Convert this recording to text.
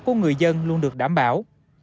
của người dân luôn được đảm bảo